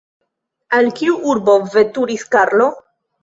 Al kiu urbo veturis Karlo?